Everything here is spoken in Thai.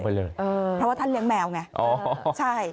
เพราะว่าท่านเลี้ยงแมวเนี่ย